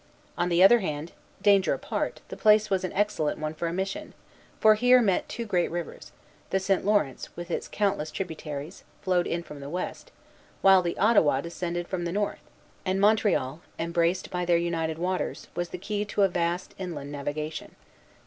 On the other hand, danger apart, the place was an excellent one for a mission; for here met two great rivers: the St. Lawrence, with its countless tributaries, flowed in from the west, while the Ottawa descended from the north; and Montreal, embraced by their uniting waters, was the key to a vast inland navigation.